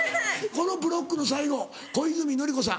このブロックの最後小泉紀子さん。